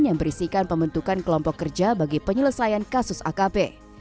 yang berisikan pembentukan kelompok kerja bagi penyelesaian kasus akp